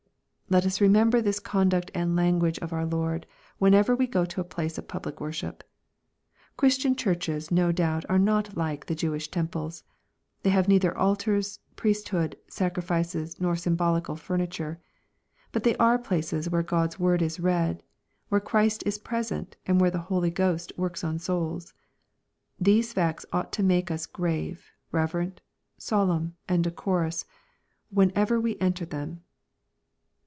Let us remember this conduct and language of our Lord, whenever we go to a place of public worship. Christian churches no doubt are not like the Jewish temples. They have neither altars, priesthood, sacrifices, nor symbolical furniture. But they are places where God's word is read, where Christ is present, and where the Holy Ghost works on souls. These facts ought to make ua grave, reverent, solemn and decorous, wuenever we enter them.